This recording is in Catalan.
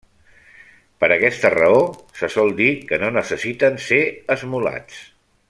Per aquesta raó se sol dir que no necessiten ser esmolats.